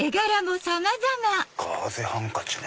ガーゼハンカチね。